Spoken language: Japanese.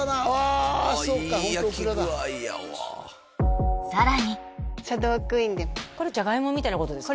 あそうかホントオクラださらにシャドークイーンでもこれジャガイモみたいなことですか？